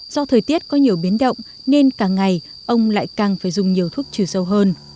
do thời tiết có nhiều biến động nên cả ngày ông lại càng phải dùng nhiều thuốc trừ sâu hơn